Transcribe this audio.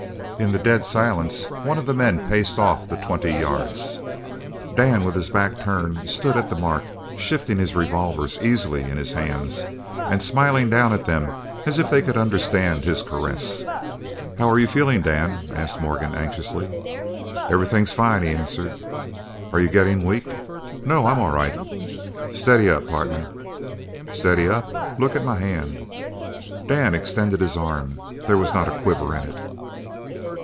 In the dead silence, one of the men paced off the twenty yards. Dan, with his back turned, stood at the mark, shifting his revolvers easily in his hands, and smiling down at them as if they could understand his caress. "How you feelin', Dan?" asked Morgan anxiously. "Everything fine," he answered. "Are you gettin' weak?" "No, I'm all right." "Steady up, partner." "Steady up? Look at my hand!" Dan extended his arm. There was not a quiver in it.